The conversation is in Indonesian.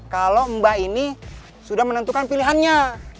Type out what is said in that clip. kalau mbak ini sudah menentukan pilihannya